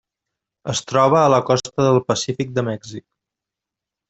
Es troba a la costa del Pacífic de Mèxic.